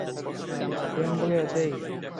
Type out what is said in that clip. پێم بڵێ دەی